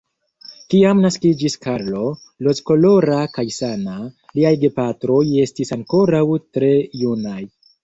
Kiam naskiĝis Karlo, rozkolora kaj sana, liaj gepatroj estis ankoraŭ tre junaj.